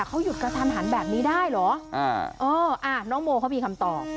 เขาหยุดกระทันหันแบบนี้ได้เหรออ่าเอออ่าน้องโมเขามีคำตอบ